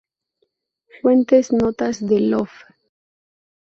Fuentes: notas de "Love.